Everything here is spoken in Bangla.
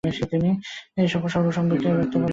এ সকল সর্বসমক্ষে ব্যক্ত করা বিধেয় নহে।